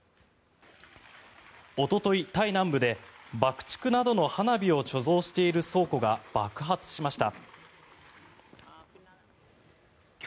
おととい、タイ南部で爆竹などの花火を貯蔵している倉庫が爆発しました。